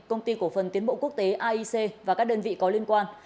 công ty cổ phần tiến bộ quốc tế aic và các đơn vị có liên quan